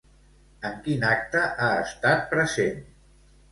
En quin acte ha estat present?